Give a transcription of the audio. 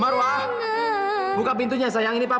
marwah buka pintunya sayang ini papa